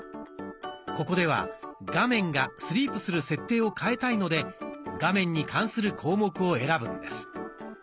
ここでは画面がスリープする設定を変えたいので画面に関する項目を選ぶんです。